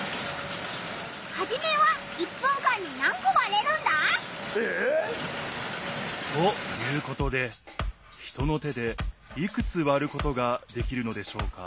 ハジメは１分間に何こ割れるんだ？え！？ということで人の手でいくつ割ることができるのでしょうか？